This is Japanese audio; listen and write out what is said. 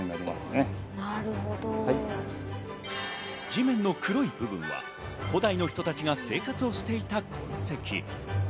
地面の黒い部分は、古代の人たちが生活をしていた痕跡。